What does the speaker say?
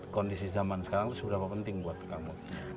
kondisi zaman sekarang itu seberapa penting buat kamu